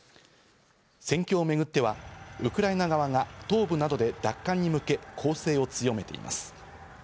戦況をめぐってはウクライナ側が東部などで奪還に向け攻勢を強めています。